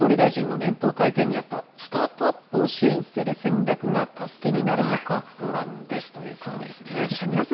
岸田総理大臣の年頭会見にあったスタートアップを支援する戦略が助けになるのか不安ですというこ